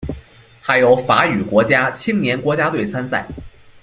它由法语国家青年国家队参赛。